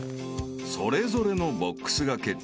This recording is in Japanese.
［それぞれのボックスが決定］